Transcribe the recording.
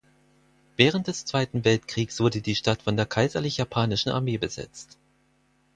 Während des Zweiten Weltkriegs wurde die Stadt von der Kaiserlich Japanischen Armee besetzt.